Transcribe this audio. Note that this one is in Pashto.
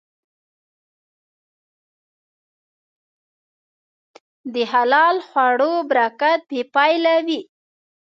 د حلال خوړو برکت بېپایله وي.